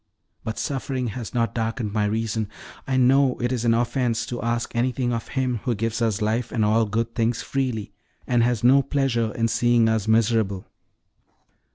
But suffering has not darkened my reason; I know it is an offense to ask anything of Him who gives us life and all good things freely, and has no pleasure in seeing us miserable.